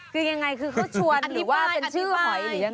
คือยังไงคือเขาชวนหรือว่าเป็นชื่อหอยหรือยังไง